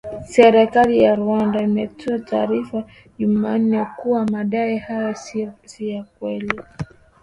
Serikali ya Rwanda, imetoa taarifa jumanne, kuwa madai hayo “si ya kweli”